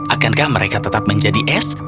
akankah mereka tetap menjadi s